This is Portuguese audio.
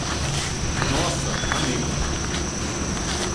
Nossa, amei!